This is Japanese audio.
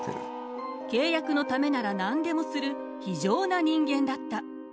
契約のためなら何でもする非情な人間だった。